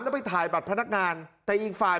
แล้วไปถ่ายบัตรพนักงานแต่อีกฝ่าย